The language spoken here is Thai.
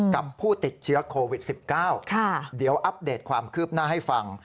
ผู้ติดเชื้อโควิด๑๙เดี๋ยวอัปเดตความคืบหน้าให้ฟัง